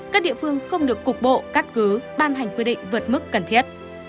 các địa phương không được cục bộ cắt cứ ban hành quy định vượt mức cần thiết